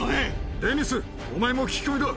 デニス、お前も聞き込みだ。